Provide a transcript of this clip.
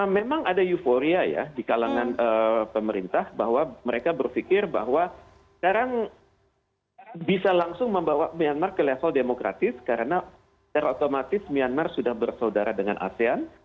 memang ada euforia ya di kalangan pemerintah bahwa mereka berpikir bahwa sekarang bisa langsung membawa myanmar ke level demokratis karena secara otomatis myanmar sudah bersaudara dengan asean